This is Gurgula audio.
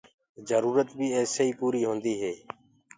جرورت بيٚ ايسي ئي پوريٚ هونديٚ هي